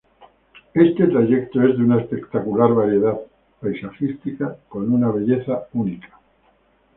Este trayecto es de una espectacular variedad paisajística, con una belleza única.